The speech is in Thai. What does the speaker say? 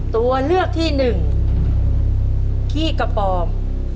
ตัวเลือกที่๑ขี้กระปอม